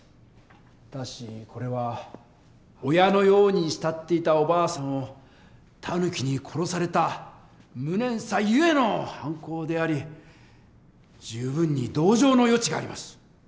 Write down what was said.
ただしこれは親のように慕っていたおばあさんをタヌキに殺された無念さゆえの犯行であり十分に同情の余地があります。